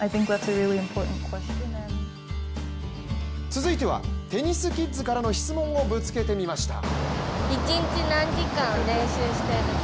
続いてはテニスキッズからの質問をぶつけてみました。